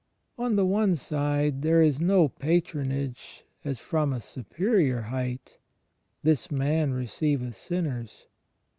On the one side there is no patronage as from a superior height — "This man receiveth sinners."